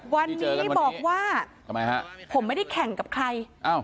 วันนี้บอกว่าทำไมฮะผมไม่ได้แข่งกับใคร